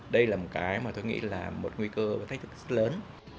đây là một cái mà tôi nghĩ là một nguy cơ và thách thức rất lớn